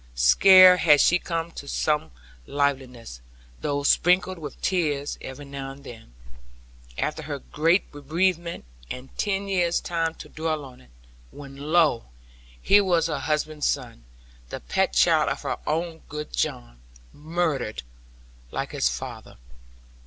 Scarce had she come to some liveliness (though sprinkled with tears, every now and then) after her great bereavement, and ten years' time to dwell on it when lo, here was her husband's son, the pet child of her own good John, murdered like his father!